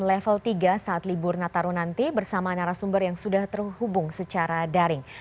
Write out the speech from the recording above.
level tiga saat libur nataru nanti bersama narasumber yang sudah terhubung secara daring